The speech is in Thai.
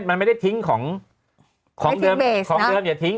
มันไม่ได้ทิ้งของเดิมอย่าทิ้ง